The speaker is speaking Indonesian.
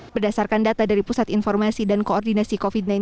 berdasarkan data dari pusat informasi dan koordinasi covid sembilan belas